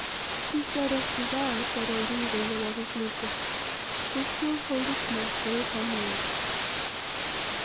Since thou dost desire it, that old evil, the love of lucre, shall still hold its mastery upon the earth.